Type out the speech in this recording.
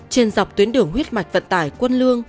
trên dọc tuyến đường huyết mạch vận tải quân lương